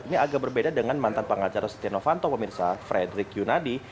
ini agak berbeda dengan mantan pengacara setia novanto pemirsa frederick yunadi